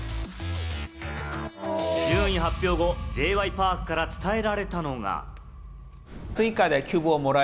順位発表後、Ｊ．Ｙ．Ｐａｒｋから伝えられたのが。